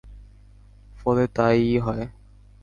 ফলে তা-ই হয়।